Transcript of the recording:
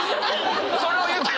それを言ってない。